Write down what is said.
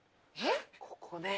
ここね。